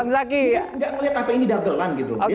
lagi nggak melihat apa ini dagelan gitu